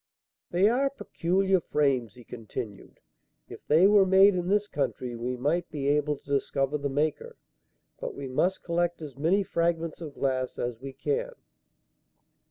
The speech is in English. "They are peculiar frames," he continued. "If they were made in this country, we might be able to discover the maker. But we must collect as many fragments of glass as we can."